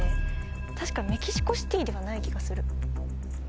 確かメキシコシティではない気がする。